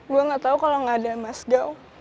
gue nggak tahu kalau nggak ada mas gouw